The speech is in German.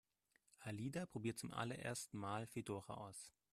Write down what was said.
Alida probiert zum allerersten Mal Fedora aus.